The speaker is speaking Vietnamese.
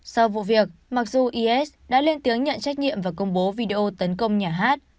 sau vụ việc mặc dù is đã lên tiếng nhận trách nhiệm và công bố video tấn công nhà hát